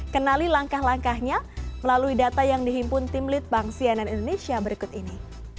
kenali langkah langkahnya melalui data yang dihimpun tim lead bank cnn indonesia berikut ini